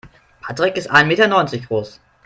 Patrick ist ein Meter neunzig groß.